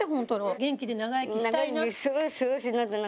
「元気で長生きしたいな」。